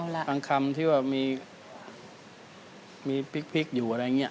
เอาล่ะบางคำที่ว่ามีมีพลิกอยู่อะไรอย่างเงี้ย